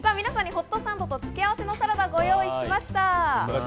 皆さんにホットサンドと付け合わせのサラダをご用意しました。